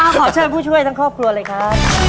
ขอเชิญผู้ช่วยทั้งครอบครัวเลยครับ